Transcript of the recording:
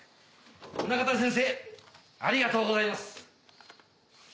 宗方先生ありがとうございます。